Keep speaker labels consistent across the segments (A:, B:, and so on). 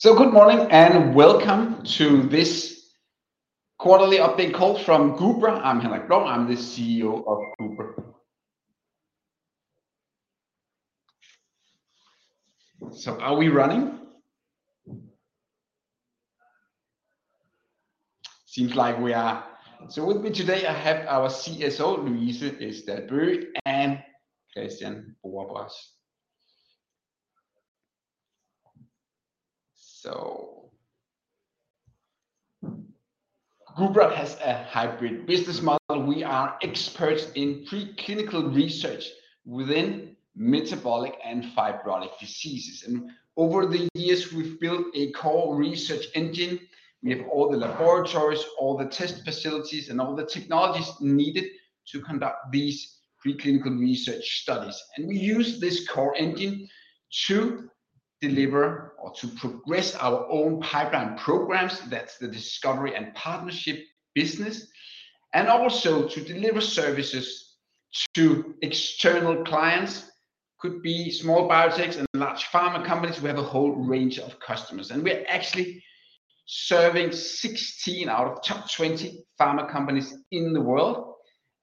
A: Good morning and welcome to this quarterly update call from Gubra. I'm Henrik Blou, I'm the CEO of Gubra. Are we running? Seems like we are. With me today I have our CSO, Louise S. Dalbøge, and Kristian Borbos. Gubra has a hybrid business model. We are experts in preclinical research within metabolic and fibrotic diseases. Over the years we've built a core research engine. We have all the laboratories, all the test facilities, and all the technologies needed to conduct these preclinical research studies. We use this core engine to deliver or to progress our own pipeline programs. That's the discovery and partnership business. Also to deliver services to external clients. Could be small biotechs and large pharma companies. We have a whole range of customers. We're actually serving 16 out of top 20 pharma companies in the world.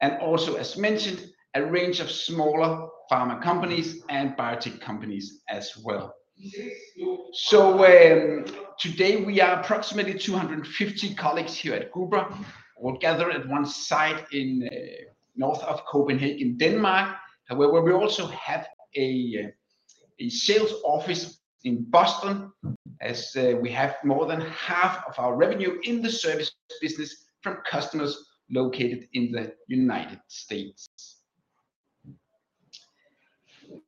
A: And also, as mentioned, a range of smaller pharma companies and biotech companies as well. So today we are approximately 250 colleagues here at Gubra. We're gathered at one site in north of Copenhagen, Denmark. However, we also have a sales office in Boston, as we have more than half of our revenue in the service business from customers located in the United States.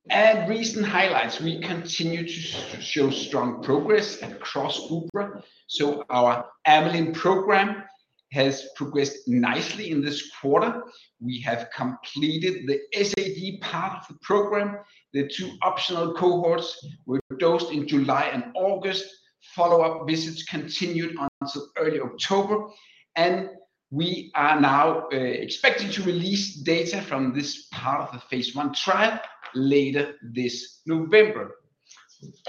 A: And recent highlights. We continue to show strong progress across Gubra. So our amylin program has progressed nicely in this quarter. We have completed the SAD part of the program. The two optional cohorts were dosed in July and August. Follow-up visits continued until early October. And we are now expecting to release data from this part of the phase one trial later this November.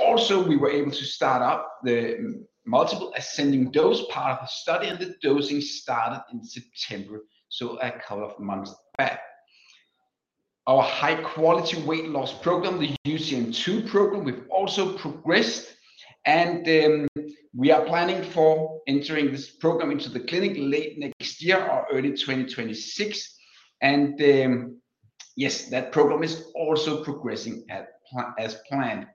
A: Also, we were able to start up the multiple ascending dose part of the study, and the dosing started in September, so a couple of months back. Our high-quality weight loss program, the UCN2 program, we've also progressed. And we are planning for entering this program into the clinic late next year or early 2026. And yes, that program is also progressing as planned.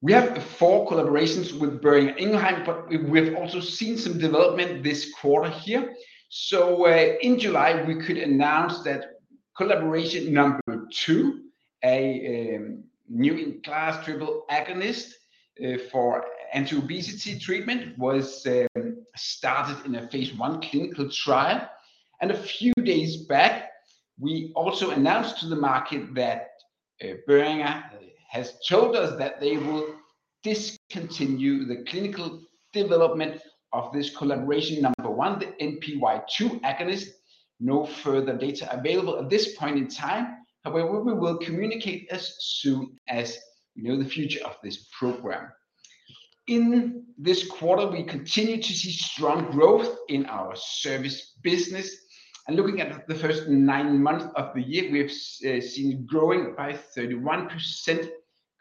A: We have four collaborations with Boehringer Ingelheim, but we've also seen some development this quarter here. So in July, we could announce that collaboration number two, a new-in-class triple agonist for anti-obesity treatment, was started in a phase 1 clinical trial. And a few days back, we also announced to the market that Boehringer Ingelheim has told us that they will discontinue the clinical development of this collaboration number one, the NPY2 agonist. No further data available at this point in time. However, we will communicate as soon as we know the future of this program. In this quarter, we continue to see strong growth in our service business. And looking at the first nine months of the year, we have seen growing by 31%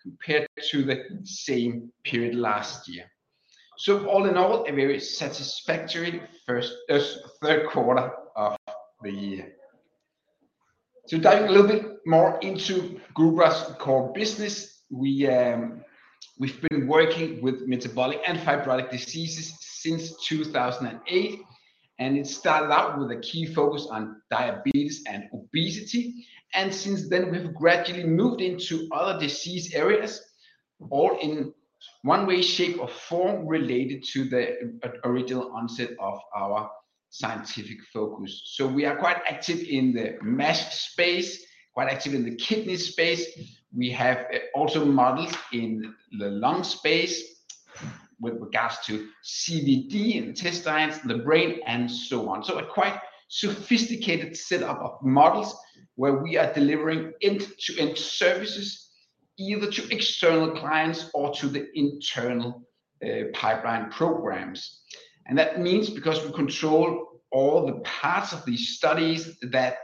A: compared to the same period last year. So all in all, a very satisfactory third quarter of the year. So diving a little bit more into Gubra's core business, we've been working with metabolic and fibrotic diseases since 2008. And it started out with a key focus on diabetes and obesity. And since then, we have gradually moved into other disease areas, all in one way, shape, or form related to the original onset of our scientific focus. So we are quite active in the MASH space, quite active in the kidney space. We have also models in the lung space with regards to CVD and intestines, the brain, and so on. So a quite sophisticated setup of models where we are delivering end-to-end services either to external clients or to the internal pipeline programs. And that means because we control all the parts of these studies, that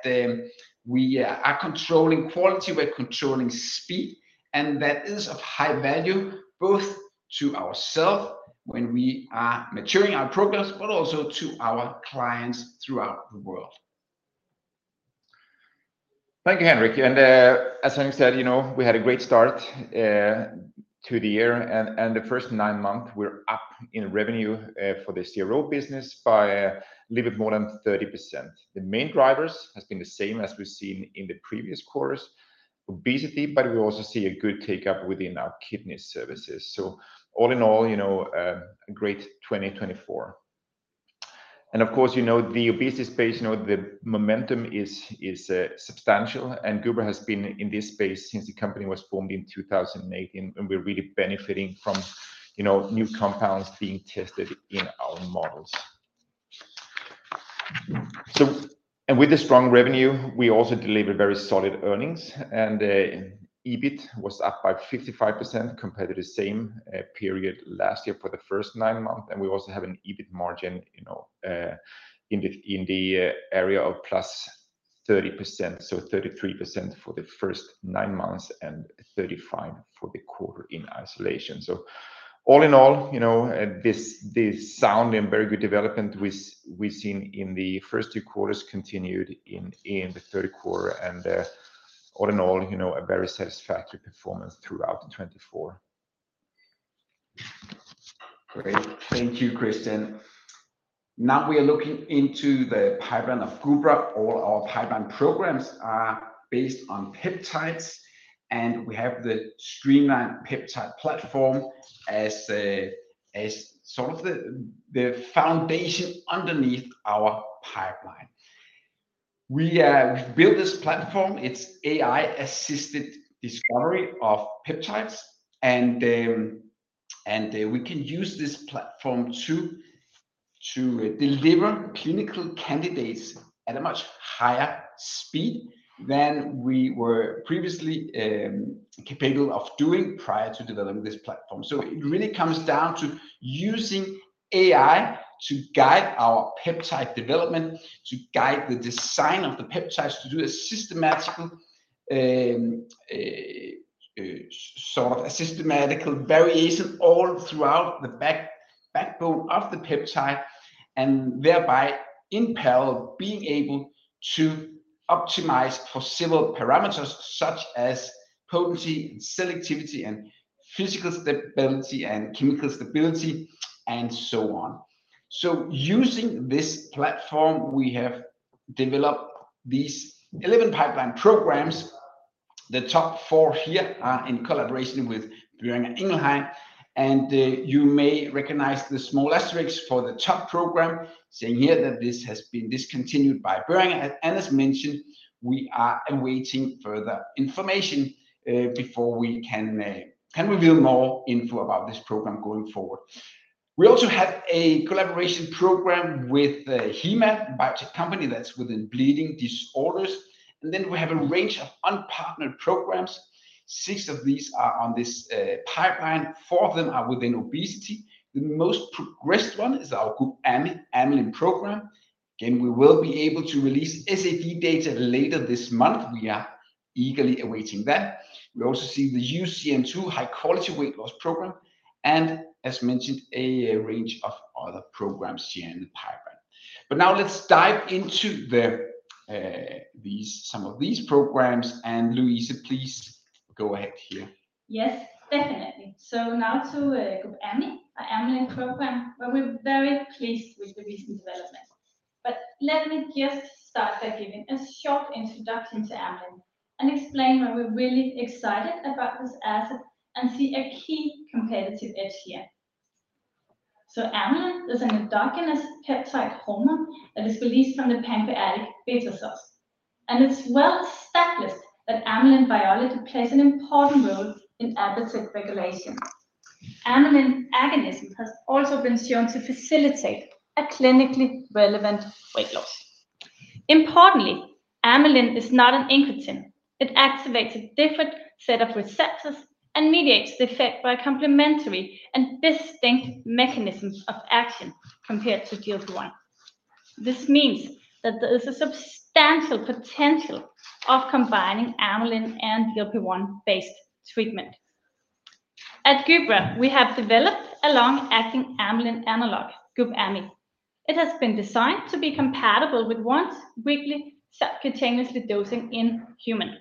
A: we are controlling quality, we're controlling speed, and that is of high value both to ourselves when we are maturing our programs, but also to our clients throughout the world.
B: Thank you, Henrik. And as Henrik said, we had a great start to the year. And the first nine months, we're up in revenue for the CRO business by a little bit more than 30%. The main drivers have been the same as we've seen in the previous quarters: obesity, but we also see a good take-up within our kidney services. So all in all, a great 2024. And of course, the obesity space, the momentum is substantial. And Gubra has been in this space since the company was formed in 2018, and we're really benefiting from new compounds being tested in our models. And with the strong revenue, we also delivered very solid earnings. And EBIT was up by 55% compared to the same period last year for the first nine months. And we also have an EBIT margin in the area of plus 30%, so 33% for the first nine months and 35% for the quarter in isolation. So all in all, this sounds very good development we've seen in the first two quarters continued in the third quarter. And all in all, a very satisfactory performance throughout 2024.
A: Great. Thank you, Kristian. Now we are looking into the pipeline of Gubra. All our pipeline programs are based on peptides, and we have the streamlined peptide platform as sort of the foundation underneath our pipeline. We've built this platform. It's AI-assisted discovery of peptides, and we can use this platform to deliver clinical candidates at a much higher speed than we were previously capable of doing prior to developing this platform, so it really comes down to using AI to guide our peptide development, to guide the design of the peptides, to do a systematic sort of systematical variation all throughout the backbone of the peptide, and thereby in parallel being able to optimize for several parameters such as potency and selectivity and physical stability and chemical stability and so on, so using this platform, we have developed these 11 pipeline programs. The top four here are in collaboration with Boehringer Ingelheim. And you may recognize the small asterisks for the top program, saying here that this has been discontinued by Boehringer Ingelheim. And as mentioned, we are awaiting further information before we can reveal more info about this program going forward. We also have a collaboration program with Hemab, a biotech company that's within bleeding disorders. And then we have a range of unpartnered programs. Six of these are on this pipeline. Four of them are within obesity. The most progressed one is our GUBamy program. Again, we will be able to release SAD data later this month. We are eagerly awaiting that. We also see the UCN2 high-quality weight loss program. And as mentioned, a range of other programs here in the pipeline. But now let's dive into some of these programs. And Louise, please go ahead here.
C: Yes, definitely. So now to GUBamy, our amylin program. We're very pleased with the recent development. But let me just start by giving a short introduction to amylin and explain why we're really excited about this asset and see a key competitive edge here. So amylin is an endogenous peptide hormone that is released from the pancreatic beta cells. And it's well established that amylin biology plays an important role in appetite regulation. amylin agonism has also been shown to facilitate a clinically relevant weight loss. Importantly, amylin is not an incretin. It activates a different set of receptors and mediates the effect by complementary and distinct mechanisms of action compared to GLP-1. This means that there is a substantial potential of combining amylin and GLP-1-based treatment. At Gubra, we have developed a long-acting amylin analog, GUBamy. It has been designed to be compatible with once weekly subcutaneously dosing in humans.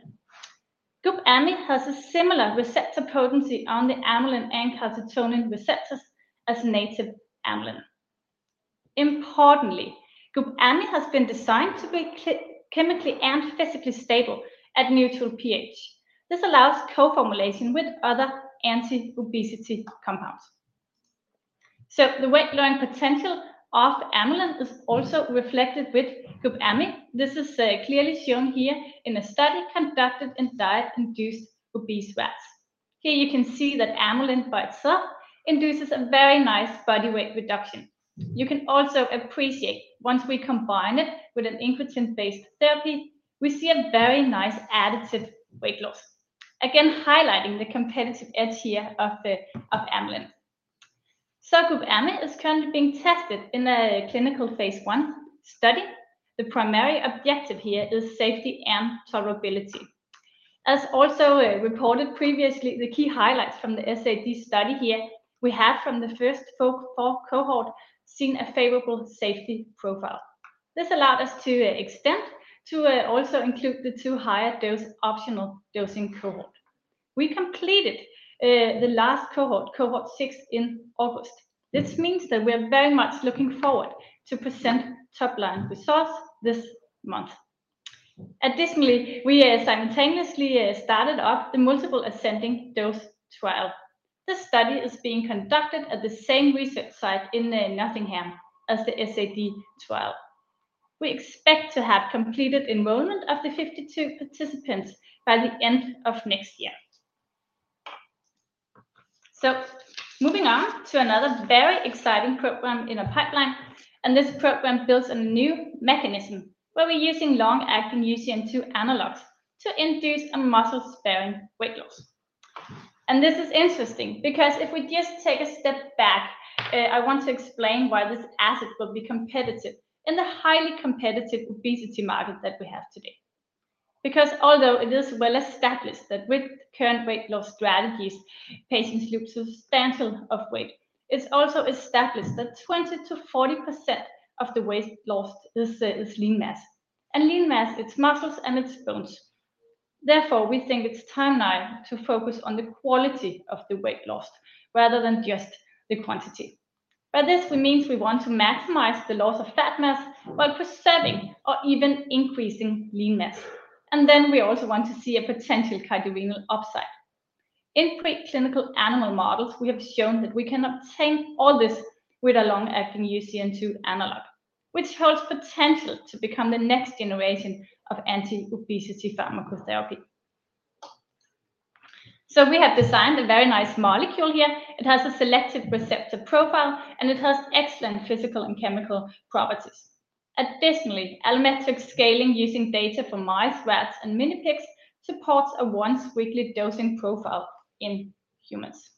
C: GUBamy has a similar receptor potency on the amylin and calcitonin receptors as native amylin. Importantly, GUBamy has been designed to be chemically and physically stable at neutral pH. This allows co-formulation with other anti-obesity compounds. So the weight-loss potential of amylin is also reflected with GUBamy. This is clearly shown here in a study conducted in diet-induced obese rats. Here you can see that amylin by itself induces a very nice body weight reduction. You can also appreciate once we combine it with an incretin-based therapy, we see a very nice additive weight loss, again highlighting the competitive edge here of amylin. So GUBamy is currently being tested in a clinical phase 1 study. The primary objective here is safety and tolerability. As also reported previously, the key highlights from the SAD study here we have from the first four cohorts seen a favorable safety profile. This allowed us to extend to also include the two higher dose optional dosing cohorts. We completed the last cohort, cohort six in August. This means that we are very much looking forward to present top-line results this month. Additionally, we simultaneously started up the multiple ascending dose trial. This study is being conducted at the same research site in Nottingham as the SAD trial. We expect to have completed enrollment of the 52 participants by the end of next year. So moving on to another very exciting program in our pipeline. And this program builds a new mechanism where we're using long-acting UCN2 analogs to induce a muscle-sparing weight loss. This is interesting because if we just take a step back, I want to explain why this asset will be competitive in the highly competitive obesity market that we have today. Because although it is well established that with current weight loss strategies, patients lose substantial weight, it's also established that 20%-40% of the weight lost is lean mass. Lean mass, it's muscles and it's bones. Therefore, we think it's time now to focus on the quality of the weight loss rather than just the quantity. By this, we mean we want to maximize the loss of fat mass while preserving or even increasing lean mass. Then we also want to see a potential cardiorenal upside. In preclinical animal models, we have shown that we can obtain all this with a long-acting UCN2 analog, which holds potential to become the next generation of anti-obesity pharmacotherapy. So we have designed a very nice molecule here. It has a selective receptor profile, and it has excellent physical and chemical properties. Additionally, allometric scaling using data from mice, rats, and minipigs supports a once-weekly dosing profile in humans.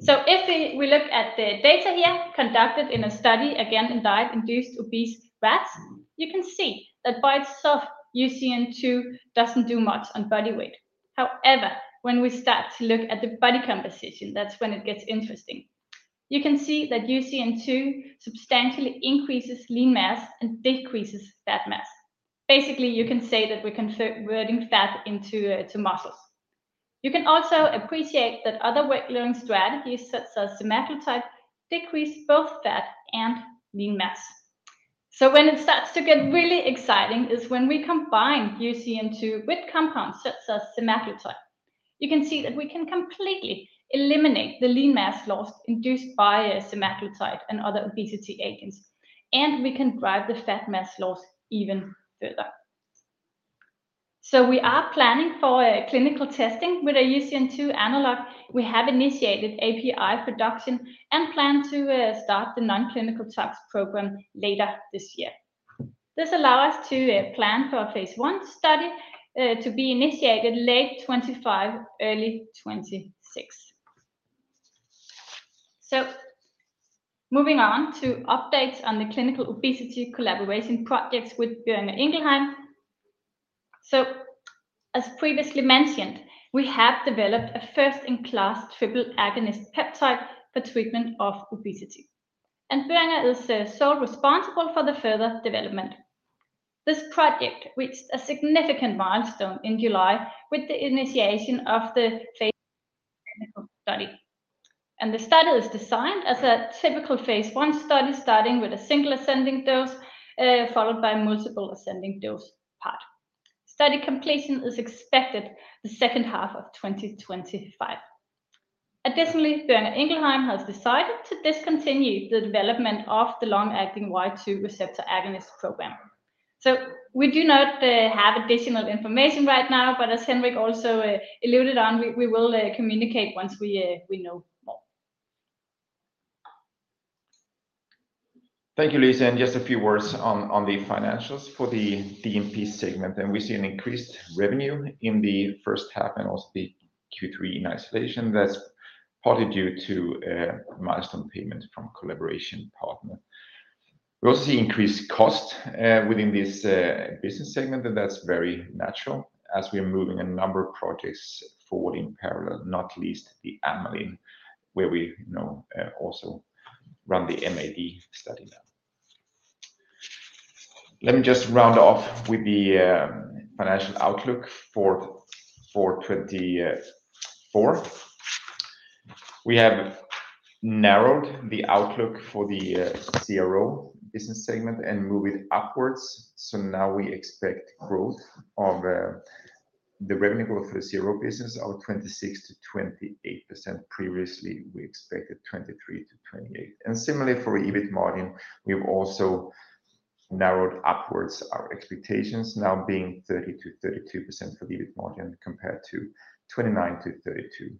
C: So if we look at the data here conducted in a study again in diet-induced obese rats, you can see that by itself, UCN2 doesn't do much on body weight. However, when we start to look at the body composition, that's when it gets interesting. You can see that UCN2 substantially increases lean mass and decreases fat mass. Basically, you can say that we're converting fat into muscles. You can also appreciate that other weight-loading strategies such as semaglutide decrease both fat and lean mass. So when it starts to get really exciting is when we combine UCN2 with compounds such as semaglutide. You can see that we can completely eliminate the lean mass loss induced by semaglutide and other obesity agents. And we can drive the fat mass loss even further. So we are planning for clinical testing with a UCN2 analog. We have initiated API production and plan to start the non-clinical tox program later this year. This allows us to plan for a phase one study to be initiated late 2025, early 2026. So moving on to updates on the clinical obesity collaboration projects with Boehringer Ingelheim. So as previously mentioned, we have developed a first-in-class triple agonist peptide for treatment of obesity. And Boehringer Ingelheim is solely responsible for the further development. This project reached a significant milestone in July with the initiation of the phase one clinical study. The study is designed as a typical phase one study starting with a single ascending dose followed by a multiple ascending dose part. Study completion is expected the second half of 2025. Additionally, Boehringer Ingelheim has decided to discontinue the development of the long-acting NPY2 receptor agonist program. We do not have additional information right now, but as Henrik also alluded to, we will communicate once we know more.
B: Thank you, Louise. And just a few words on the financials for the D&P segment. And we see an increased revenue in the first half and also the Q3 in isolation. That's partly due to milestone payments from collaboration partners. We also see increased costs within this business segment, and that's very natural as we are moving a number of projects forward in parallel, not least the amylin, where we also run the MAD study now. Let me just round off with the financial outlook for 2024. We have narrowed the outlook for the CRO business segment and moved it upwards. So now we expect revenue growth for the CRO business of 26%-28%. Previously, we expected 23%-28%. And similarly for EBIT margin, we've also narrowed upwards our expectations, now being 30%-32% for the EBIT margin compared to 29%-32%.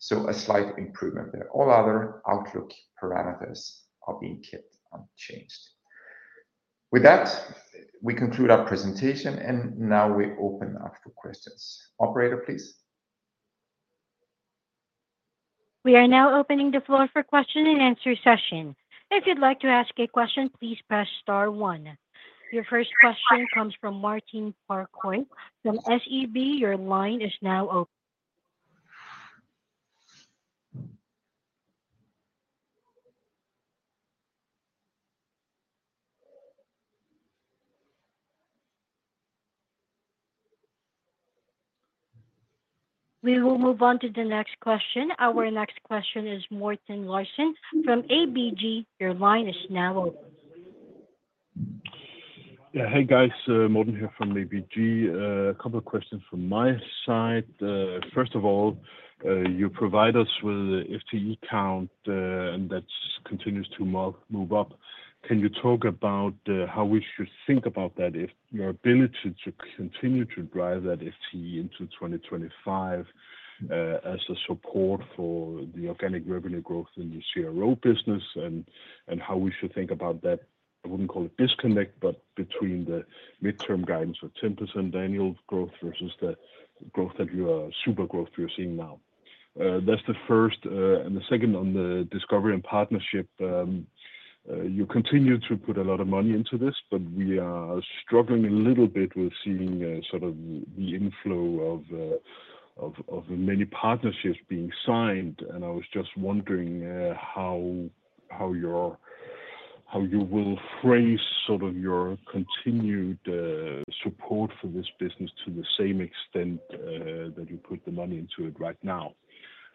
B: So a slight improvement there. All other outlook parameters are being kept unchanged. With that, we conclude our presentation, and now we open up for questions. Operator, please.
D: We are now opening the floor for question and answer session. If you'd like to ask a question, please press star one. Your first question comes from Martin Parkhøi from SEB. Your line is now open. We will move on to the next question. Our next question is Morten Larsen from ABG. Your line is now open.
E: Yeah, hey, guys. Morten here from ABG. A couple of questions from my side. First of all, you provide us with the FTE count, and that continues to move up. Can you talk about how we should think about that, your ability to continue to drive that FTE into 2025 as a support for the organic revenue growth in the CRO business and how we should think about that? I wouldn't call it disconnect, but between the midterm guidance of 10% annual growth versus the growth that you are super growth you're seeing now. That's the first. And the second on the discovery and partnership, you continue to put a lot of money into this, but we are struggling a little bit with seeing sort of the inflow of many partnerships being signed. I was just wondering how you will phrase sort of your continued support for this business to the same extent that you put the money into it right now.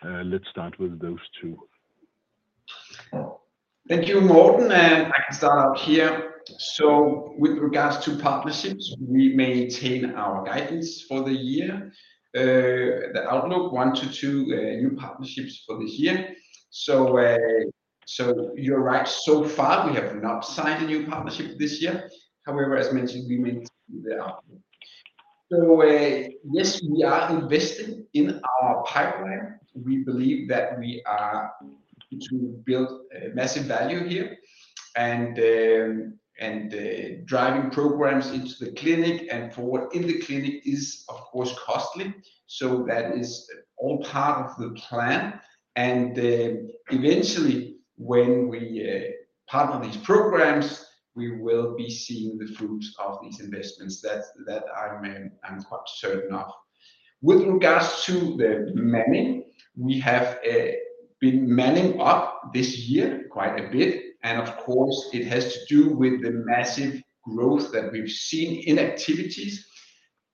E: Let's start with those two.
A: Thank you, Morten. And I can start out here. So with regards to partnerships, we maintain our guidance for the year. The outlook one to two new partnerships for this year. So you're right. So far, we have not signed a new partnership this year. However, as mentioned, we maintain the outlook. So yes, we are investing in our pipeline. We believe that we are to build massive value here and driving programs into the clinic. And for what in the clinic is, of course, costly. So that is all part of the plan. And eventually, when we partner these programs, we will be seeing the fruits of these investments that I'm quite certain of. With regards to the manning, we have been manning up this year quite a bit. And of course, it has to do with the massive growth that we've seen in activities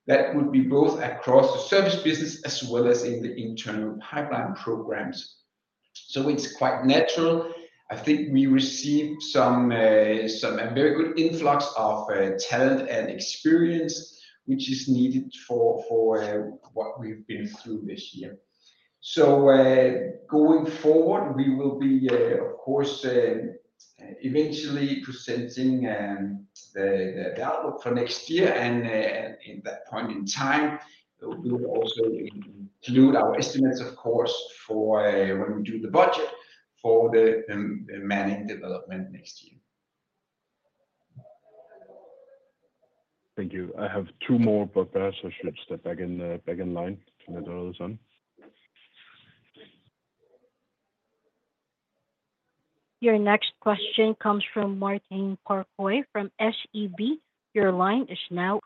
A: that would be both across the service business as well as in the internal pipeline programs. So it's quite natural. I think we received some very good influx of talent and experience, which is needed for what we've been through this year. So going forward, we will be, of course, eventually presenting the outlook for next year. And at that point in time, we will also include our estimates, of course, for when we do the budget for the manning development next year.
E: Thank you. I have two more, but perhaps I should step back in line to let all of this on.
D: Your next question comes from Martin Parkhøi from SEB. Your line is now.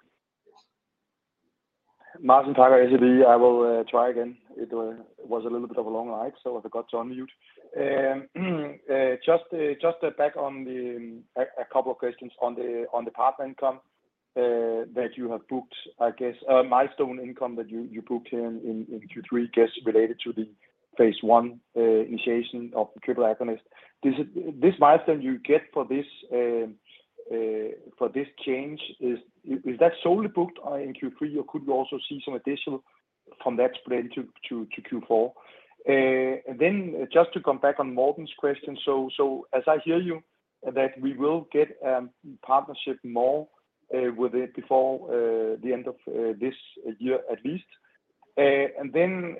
F: Martin, SEB, I will try again. It was a little bit of a long line, so I forgot to unmute. Just to back on a couple of questions on the partner income that you have booked, I guess, milestone income that you booked here in Q3, guess related to the phase one initiation of triple agonist. This milestone you get for this change, is that solely booked in Q3, or could you also see some additional from that spread into Q4? And then just to come back on Morten's question, so as I hear you that we will get partnership more with it before the end of this year at least. And then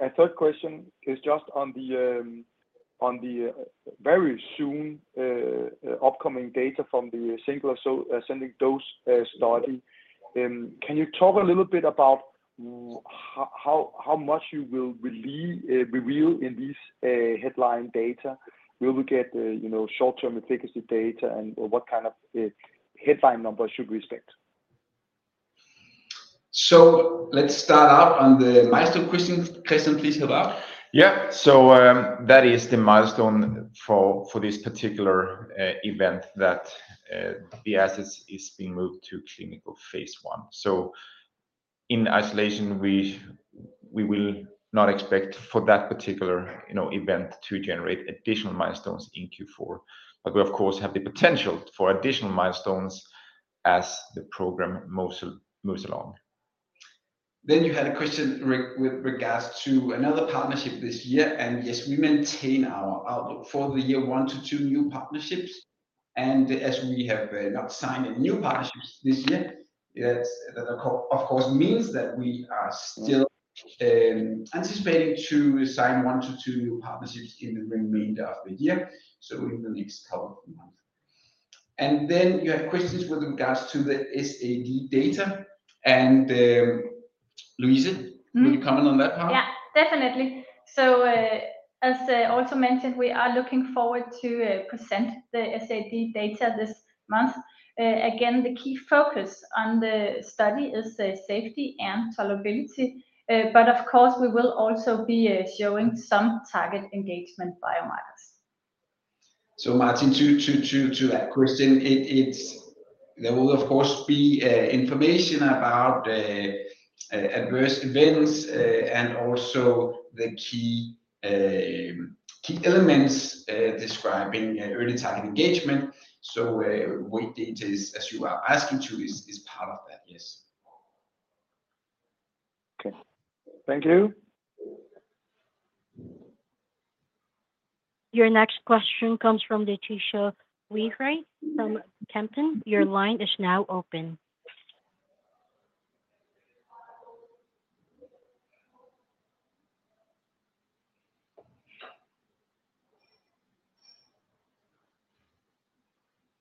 F: a third question is just on the very soon upcoming data from the single ascending dose study. Can you talk a little bit about how much you will reveal in these headline data? Will we get short-term efficacy data and what kind of headline numbers should we expect?
A: So let's start out on the milestone question. Kristian, please help out.
B: Yeah. So that is the milestone for this particular event that the asset is being moved to clinical phase one. So in isolation, we will not expect for that particular event to generate additional milestones in Q4. But we, of course, have the potential for additional milestones as the program moves along.
A: Then you had a question with regards to another partnership this year. And yes, we maintain our outlook for the year: one to two new partnerships. And as we have not signed a new partnership this year, that of course means that we are still anticipating to sign one to two new partnerships in the remainder of the year, so in the next couple of months. And then you have questions with regards to the SAD data. And Louise, will you comment on that part?
C: Yeah, definitely. So as also mentioned, we are looking forward to present the SAD data this month. Again, the key focus on the study is safety and tolerability. But of course, we will also be showing some target engagement biomarkers.
A: So Martin, to that question, there will of course be information about adverse events and also the key elements describing early target engagement. So weight data, as you are asking to, is part of that, yes.
F: Okay. Thank you.
D: Your next question comes from Laetitia Wehry from Van Lanschot Kempen. Your line is now open.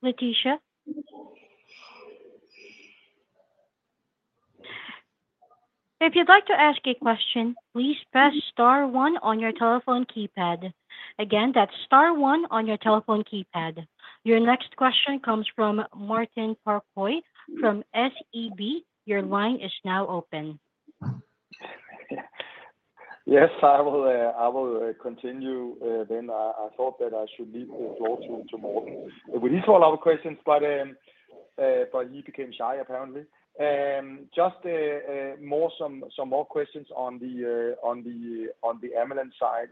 D: Laetitia? If you'd like to ask a question, please press star one on your telephone keypad. Again, that's star one on your telephone keypad. Your next question comes from Martin Parkhøi from SEB. Your line is now open.
F: Yes, I will continue, then I thought that I should leave the floor to Morten. We did follow up questions, but he became shy apparently. Just some more questions on the amylin side.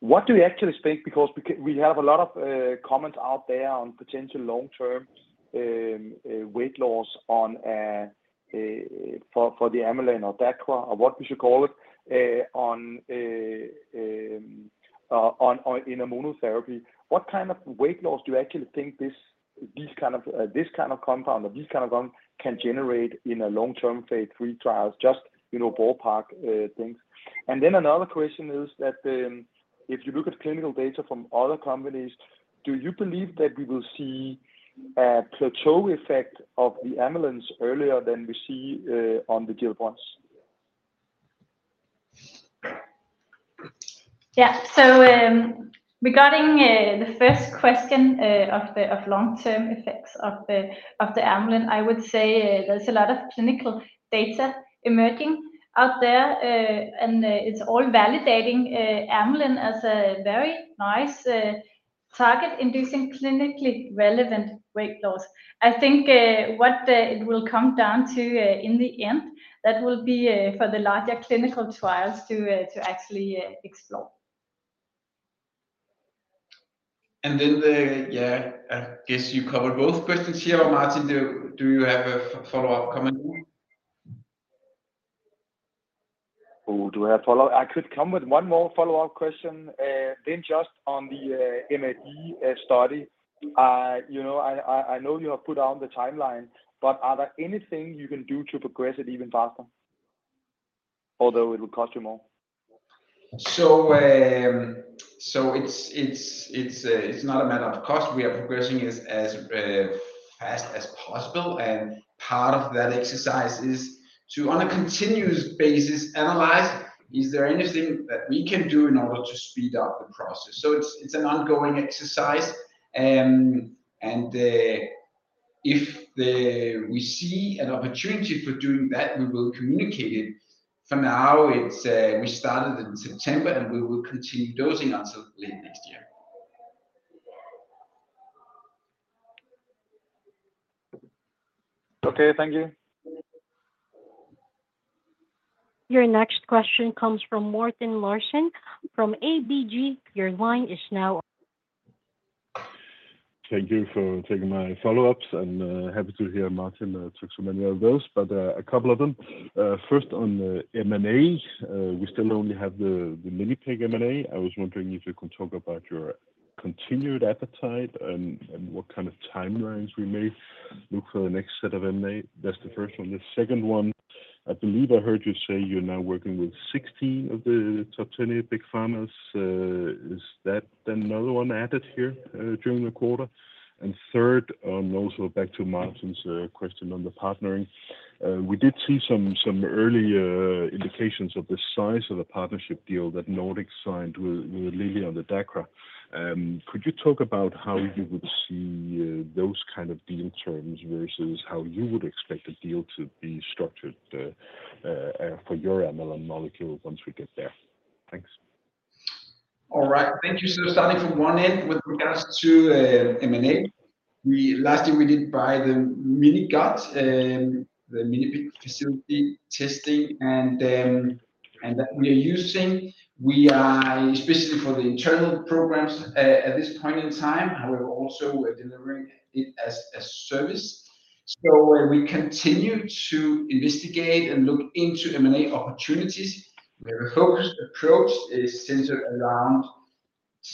F: What do we actually think? Because we have a lot of comments out there on potential long-term weight loss for the amylin or DACRA, or what we should call it, in monotherapy. What kind of weight loss do you actually think this kind of compound or these kind of compounds can generate in a long-term phase three trial? Just ballpark things, then another question is that if you look at clinical data from other companies, do you believe that we will see a plateau effect of the amylins earlier than we see on the GLP-1s?
C: Yeah. Regarding the first question of the long-term effects of the amylin, I would say there's a lot of clinical data emerging out there, and it's all validating amylin as a very nice target-inducing clinically relevant weight loss. I think what it will come down to in the end. That will be for the larger clinical trials to actually explore.
A: And then, yeah, I guess you covered both questions here. Martin, do you have a follow-up comment?
F: Oh, do I have follow-up? I could come with one more follow-up question. Then just on the MAD study, I know you have put out the timeline, but are there anything you can do to progress it even faster, although it will cost you more?
A: So it's not a matter of cost. We are progressing it as fast as possible. And part of that exercise is to, on a continuous basis, analyze is there anything that we can do in order to speed up the process. So it's an ongoing exercise. And if we see an opportunity for doing that, we will communicate it. For now, we started in September, and we will continue dosing until late next year.
F: Okay, thank you.
D: Your next question comes from Morten Larsen from ABG. Your line is now.
E: Thank you for taking my follow-ups. And happy to hear, Martin, talk to many of those, but a couple of them. First, on the M&A, we still only have the minipig M&A. I was wondering if you could talk about your continued appetite and what kind of timelines we may look for the next set of M&A. That's the first one. The second one, I believe I heard you say you're now working with 16 of the top 20 Big Pharma. Is that another one added here during the quarter? And third, on also back to Martin's question on the partnering, we did see some early indications of the size of the partnership deal that Nordic signed with Lilly on the DACRA. Could you talk about how you would see those kind of deal terms versus how you would expect a deal to be structured for your amylin molecule once we get there? Thanks.
A: All right. Thank you. So starting from one end, with regards to M&A, last year we did buy the MiniGut, the minipig facility testing. And that we are using, especially for the internal programs at this point in time. However, also we're delivering it as a service. So we continue to investigate and look into M&A opportunities. We have a focused approach centered around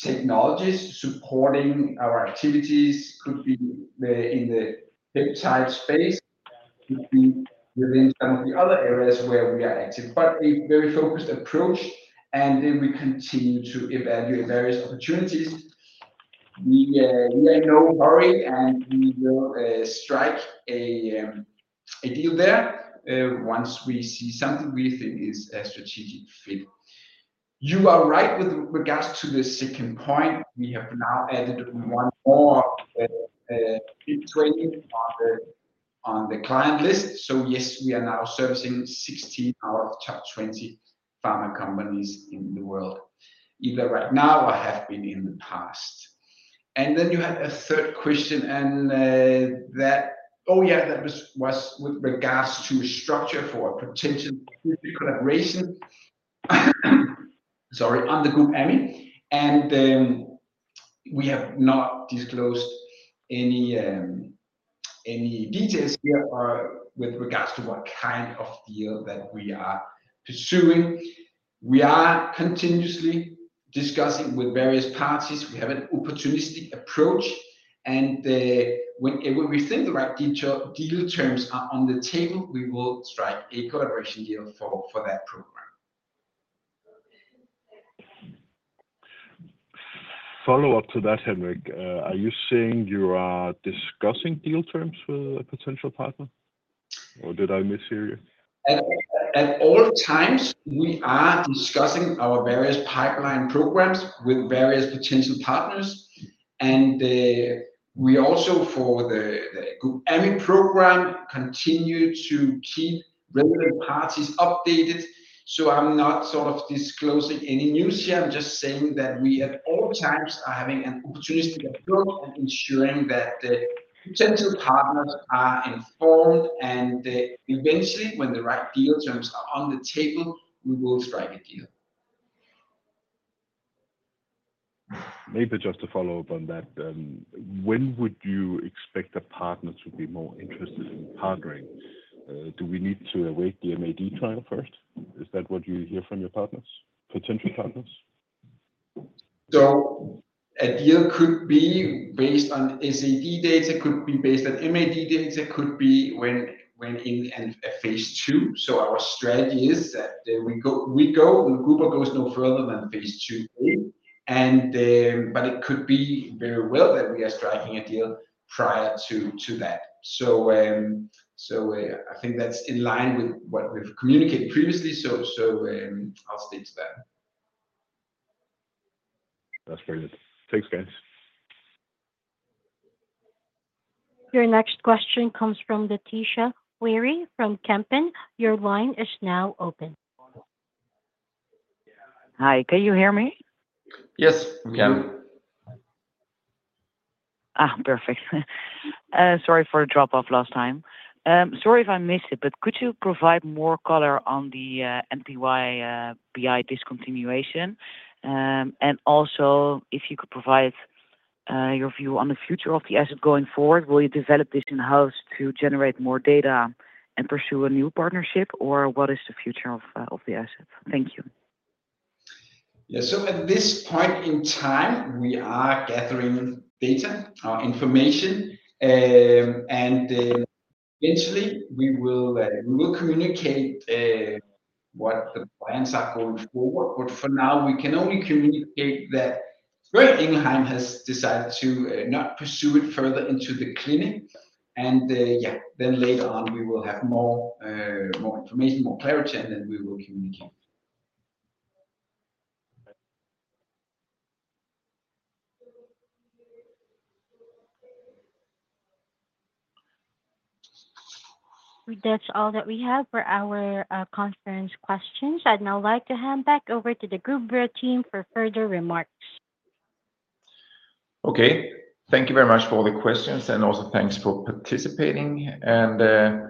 A: technologies supporting our activities. Could be in the peptide space, could be within some of the other areas where we are active. But a very focused approach. And then we continue to evaluate various opportunities. We are in no hurry, and we will strike a deal there once we see something we think is a strategic fit. You are right with regards to the second point. We have now added one more to the client list. So yes, we are now servicing 16 out of top 20 pharma companies in the world, either right now or have been in the past. And then you had a third question. And that, oh yeah, that was with regards to structure for potential collaboration, sorry, on the GUBamy. And we have not disclosed any details here with regards to what kind of deal that we are pursuing. We are continuously discussing with various parties. We have an opportunistic approach. And when we think the right deal terms are on the table, we will strike a collaboration deal for that program.
E: Follow-up to that, Henrik. Are you saying you are discussing deal terms with a potential partner? Or did I mishear you?
A: At all times, we are discussing our various pipeline programs with various potential partners. And we also, for the GUBamy program, continue to keep relevant parties updated. So I'm not sort of disclosing any news here. I'm just saying that we at all times are having an opportunistic approach and ensuring that the potential partners are informed. And eventually, when the right deal terms are on the table, we will strike a deal.
E: Maybe just to follow up on that, when would you expect a partner to be more interested in partnering? Do we need to await the MAD trial first? Is that what you hear from your partners, potential partners?
A: So a deal could be based on SAD data, could be based on MAD data, could be when in a phase two. So our strategy is that we go and the GUBamy goes no further than phase two. But it could be very well that we are striking a deal prior to that. So I think that's in line with what we've communicated previously. So I'll stick to that.
E: That's very good. Thanks, guys.
D: Your next question comes from Laetitia Wehry from Van Lanschot Kempen. Your line is now open.
G: Hi, can you hear me?
A: Yes, we can.
G: Perfect. Sorry for the drop-off last time. Sorry if I missed it, but could you provide more color on the NPY2-BI discontinuation? And also, if you could provide your view on the future of the asset going forward, will you develop this in-house to generate more data and pursue a new partnership, or what is the future of the asset? Thank you.
A: Yeah. So at this point in time, we are gathering data, our information. And eventually, we will communicate what the plans are going forward. But for now, we can only communicate that Boehringer Ingelheim has decided to not pursue it further into the clinic. And yeah, then later on, we will have more information, more clarity, and then we will communicate.
D: That's all that we have for our conference questions. I'd now like to hand back over to the Gubra team for further remarks.
B: Okay. Thank you very much for all the questions. And also, thanks for participating. And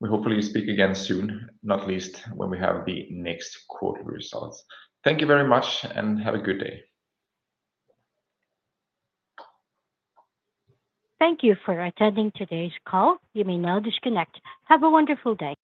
B: we hopefully speak again soon, not least when we have the next quarter results. Thank you very much, and have a good day.
D: Thank you for attending today's call. You may now disconnect. Have a wonderful day.